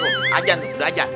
oh azan tuh udah azan